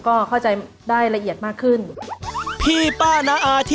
ก็เข้าใจได้ละเอียดมากขึ้น